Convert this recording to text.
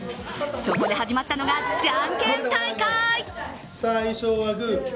そこで始まったのが、じゃんけん大会。